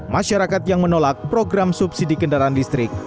masyarakat yang menolak program subsidi kendaraan listrik